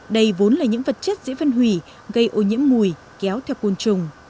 đây vốn là những vật chất dễ phân hủy gây ô nhiễm mùi kéo theo côn trùng